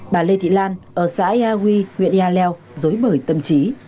bà lê thị lan ở xã ea huy nguyện ea leo dối bởi tâm trí